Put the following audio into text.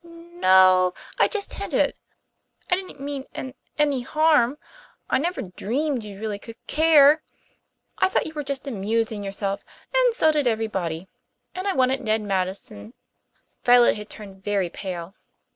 "No o o I just hinted. I didn't mean an any harm. I never dreamed you'd really c care. I thought you were just amusing yourself and so did everybody and I wanted Ned Madison " Violet had turned very pale.